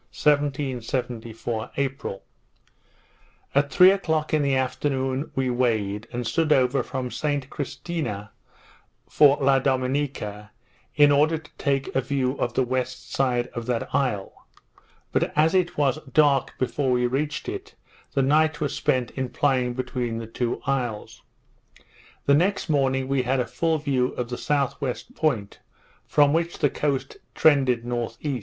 _ 1774 April At three o'clock in the afternoon, we weighed, and stood over from St Christina for La Dominica, in order to take a view of the west side of that isle; but as it was dark before we reached it, the night was spent in plying between the two isles. The next morning we had a full view of the S.W. point, from which the coast trended N.E.